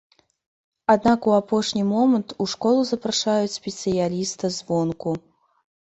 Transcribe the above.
Аднак у апошні момант у школу запрашаюць спецыяліста звонку.